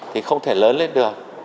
thì không thể lớn lên được